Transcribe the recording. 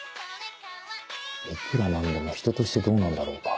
いくら何でも人としてどうなんだろうか？